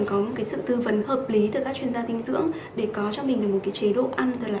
được sự tư vấn hợp lý từ các chuyên gia dinh dưỡng để có cho mình được một cái chế độ ăn là